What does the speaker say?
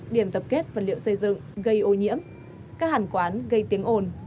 điểm tập kết vật liệu xây dựng gây ô nhiễm các hàn quán gây tiếng ồn